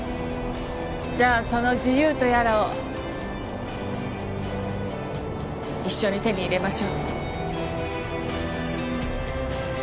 じゃあその自由とやらを一緒に手に入れましょう。